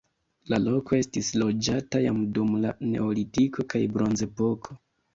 La loko estis loĝata jam dum la neolitiko kaj bronzepoko.